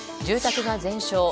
住宅が全焼。